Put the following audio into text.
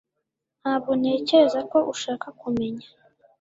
Ntabwo ntekereza ko ushaka kumenya